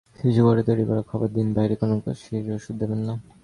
শিশুকে ঘরে তৈরি করা খাবার দিন, বাইরের কোনো কাশির ওষুধ দেবেন না।